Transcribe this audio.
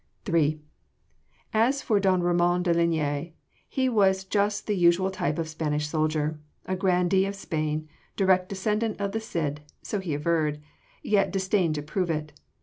III As for don Ramon de Linea, he was just the usual type of Spanish soldier a grandee of Spain, direct descendant of the Cid, so he averred, yet disdained to prove it.